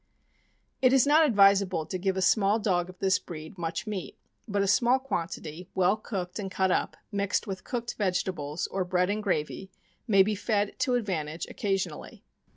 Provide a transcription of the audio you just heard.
It is not advisable to give a small dog of this breed much meat; but a small quantity, well cooked and cut up, mixed with cooked vegetables or bread and gravy, may be fed, to advantage, occasionally.